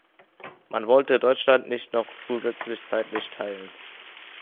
Man wollte Deutschland nicht noch zusätzlich zeitlich teilen.